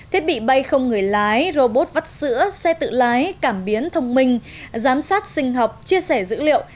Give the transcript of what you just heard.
thiết bị bay không người lái robot vắt sữa xe tự lái cảm biến thông minh giám sát sinh học chia sẻ dữ liệu